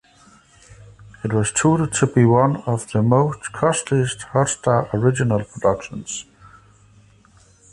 It was touted to be one of the most costliest Hotstar original productions.